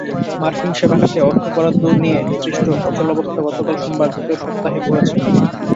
মার্কিন সেবা খাতে অর্থ বরাদ্দ নিয়ে সৃষ্ট অচলাবস্থা গতকাল সোমবার দ্বিতীয় সপ্তাহে পড়েছে।